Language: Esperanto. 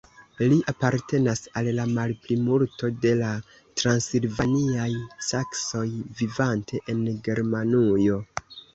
Li apartenas al la malplimulto de la transilvaniaj saksoj vivante en Germanujo.